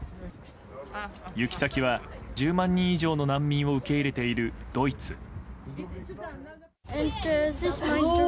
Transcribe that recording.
行き先は、１０万人以上の難民を受け入れているドイツ。